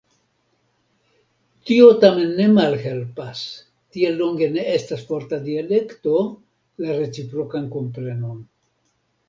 Tio tamen ne malhelpas, tiel longe ne estas forta dialekto, la reciprokan komprenon.